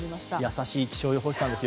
優しい気象予報士さんですよ。